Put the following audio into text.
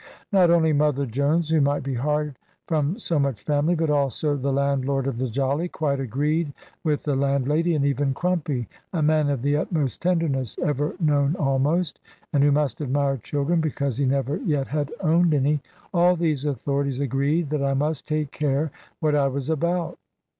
Not only Mother Jones who might be hard, from so much family but also the landlord of the Jolly quite agreed with the landlady, and even Crumpy, a man of the utmost tenderness ever known almost, and who must admire children, because he never yet had owned any all these authorities agreed that I must take care what I was about.